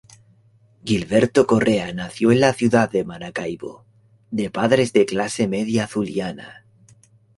Gilberto Correa nació en la ciudad de Maracaibo, de padres de clase media zuliana.